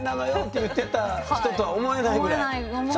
言ってた人とは思えないぐらい。